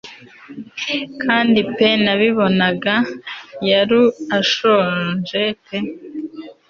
kandi pee nabibonaga yaru ashonje pe